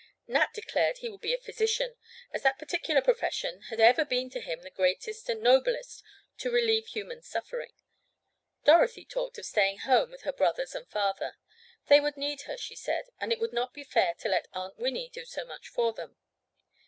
Nat declared he would be a physician, as that particular profession had ever been to him the greatest and noblest—to relieve human suffering. Dorothy talked of staying home with her brothers and father. They would need her, she said, and it would not be fair to let Aunt Winnie do so much for them.